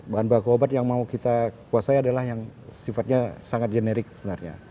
bahan baku obat yang mau kita kuasai adalah yang sifatnya sangat generik sebenarnya